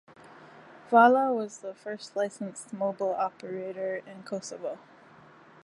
Vala was the first licensed mobile operator in Kosovo.